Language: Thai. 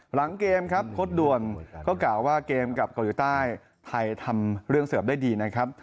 หลังเกมครับโค้ดด่วนก็กล่าวว่าเกมกับเกาหลีใต้ไทยทำเรื่องเสิร์ฟได้ดีนะครับ